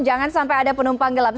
jangan sampai ada penumpang gelap